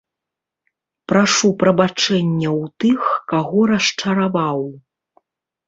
Прашу прабачэння ў тых, каго расчараваў.